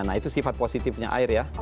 nah itu sifat positifnya air ya